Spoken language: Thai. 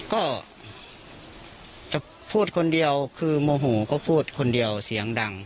ก็จะพูดคนเดียวคือโมโหก็พูดคนเดียวเสียงดัง